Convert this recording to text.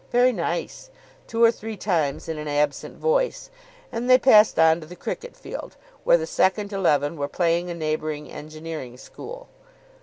Very nice," two or three times in an absent voice; and they passed on to the cricket field, where the second eleven were playing a neighbouring engineering school.